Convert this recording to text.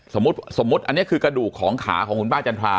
สมมุติอันนี้คือกระดูกของขาของคุณป้าจันทรา